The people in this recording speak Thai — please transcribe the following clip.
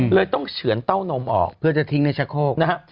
เลยต้องเฉือนเต้านมออกเพื่อจะทิ้งในชะโคกนะฮะ